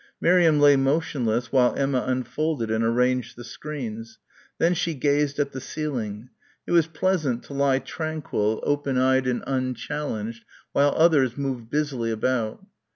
Miriam lay motionless while Emma unfolded and arranged the screens. Then she gazed at the ceiling. It was pleasant to lie tranquil, open eyed and unchallenged while others moved busily about.